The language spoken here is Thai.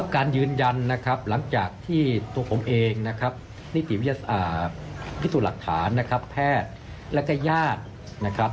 พิสูจน์หลักฐานนะครับแพทย์และก็ญาตินะครับ